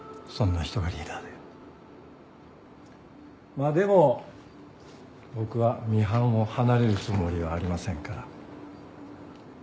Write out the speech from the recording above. まあでも僕はミハンを離れるつもりはありませんから。